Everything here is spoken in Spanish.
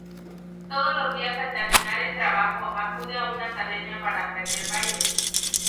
Todos los días, al terminar el trabajo acude a una academia para aprender baile.